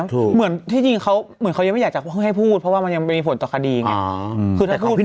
เหมือนที่จริงเขาเหมือนเขายังไม่อยากจะเพิ่งให้พูดเพราะว่ามันยังมีผลต่อคดีไง